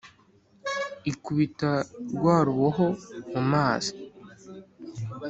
ikubita rwa ruboho mu mazi.